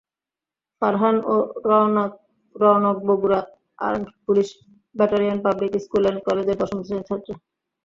Farhan Rounak Bogura armed police battalion public school and কলেজের দশম শ্রেণির ছাত্র।